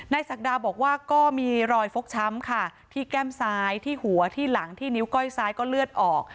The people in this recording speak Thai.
ศักดาบอกว่าก็มีรอยฟกช้ำค่ะที่แก้มซ้ายที่หัวที่หลังที่นิ้วก้อยซ้ายก็เลือดออก